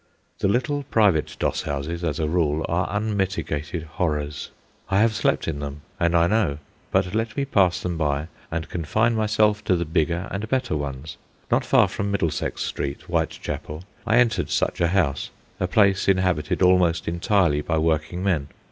The little private doss houses, as a rule, are unmitigated horrors. I have slept in them, and I know; but let me pass them by and confine myself to the bigger and better ones. Not far from Middlesex Street, Whitechapel, I entered such a house, a place inhabited almost entirely by working men.